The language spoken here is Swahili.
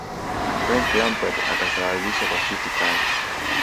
frank lampard akasawazisha kwa shuti Kali